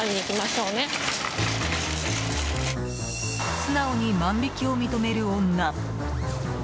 素直に万引きを認める女。